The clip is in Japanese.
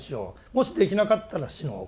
もしできなかったら死のう。